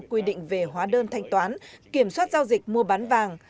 quy định về hóa đơn thanh toán kiểm soát giao dịch mua bán vàng